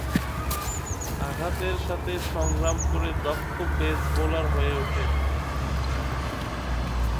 আঘাতের সাথে সংগ্রাম করে দক্ষ পেস বোলার হয়ে উঠেন।